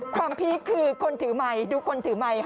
พีคคือคนถือไมค์ดูคนถือไมค์ค่ะ